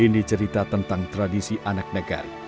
ini cerita tentang tradisi anak negari